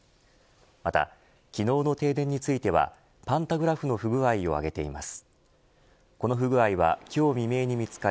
また、昨日の停電についてはパンタグラフの不具合をあげています。